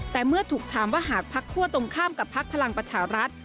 แต่เมื่อถูกถามว่าหากพักคั่วตรงข้ามกับพักพลังประชารัฐ